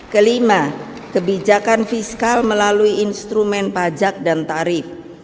kelima kebijakan fiskal melalui instrumen pajak dan tarif